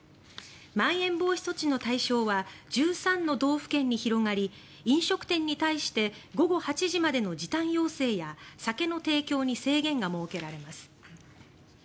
まん延防止措置の対象は１３の道府県に広がり飲食店に対して午後８時までの時短要請や酒の提供に制限が設けられます。